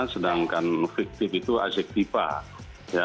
sedangkan fiktif itu asiktifah